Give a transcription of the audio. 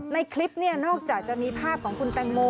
ในคลิปเนี่ยนอกจากจะมีภาพของคุณแตงโม